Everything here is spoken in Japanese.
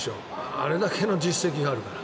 あれだけの実績があるから。